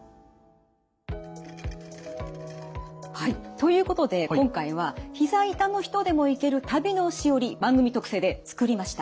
ということで今回はひざ痛の人でも行ける旅のしおり番組特製で作りました。